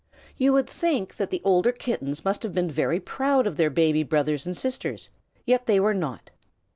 You would think that the older Kittens must have been very proud of their baby brothers and sisters, yet they were not.